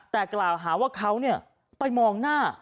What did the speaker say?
แต่กล่าวหาว่าเขาไปมองหน้า